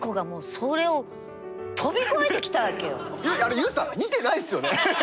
ＹＯＵさん見てないですよね？